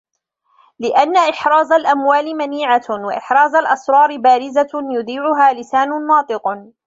لِأَنَّ إحْرَازَ الْأَمْوَالِ مَنِيعَةٌ وَإِحْرَازَ الْأَسْرَارِ بَارِزَةٌ يُذِيعُهَا لِسَانٌ نَاطِقٌ